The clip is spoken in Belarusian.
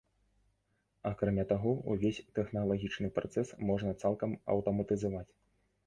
Акрамя таго, увесь тэхналагічны працэс можна цалкам аўтаматызаваць.